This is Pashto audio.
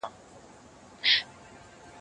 زه به سبا د ښوونځي کتابونه مطالعه وکړم